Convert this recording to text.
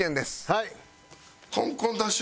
はい。